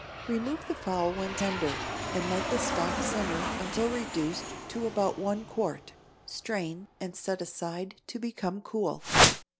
Remove the fowl when tender, and let the stock simmer until reduced to about one quart; strain, and set aside to become cool.